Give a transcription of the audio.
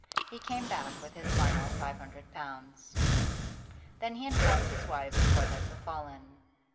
He came back with his final five hundred pounds. Then he informed his wife of what had befallen.